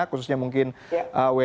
khususnya mungkin wni bukit